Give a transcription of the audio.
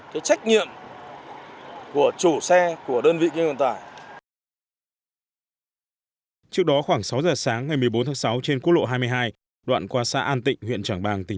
trách nhiệm của chủ xe của đơn vị kinh doanh tài